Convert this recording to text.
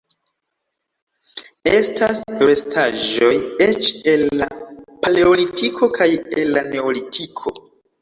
Estas restaĵoj eĉ el la Paleolitiko kaj el la Neolitiko.